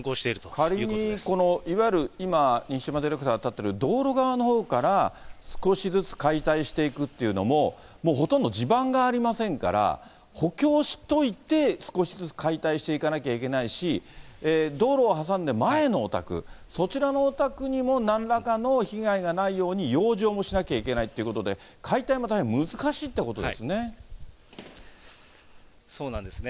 仮にいわゆる今、西山ディレクターが立ってる道路側のほうから、少しずつ解体していくっていうのも、もうほとんど地盤がありませんから、補強しといて、少しずつ解体していかなきゃいけないし、道路を挟んで前のお宅、そちらのお宅にも、なんらかの被害がないように養生もしなきゃいけないということで、解体も大変難しいっていうことですね。